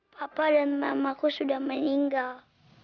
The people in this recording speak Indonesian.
papa dan mamaku sudah meninggal